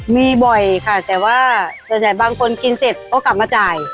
มีบ่อยค่ะแต่ว่าส่วนใหญ่บางคนกินเสร็จก็กลับมาจ่าย